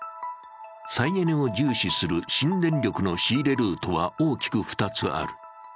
再エネを重視する新電力の仕入れルートは大きく２つある。